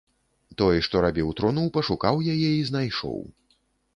Той, што рабіў труну, пашукаў яе і знайшоў.